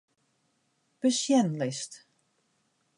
Besjenlist.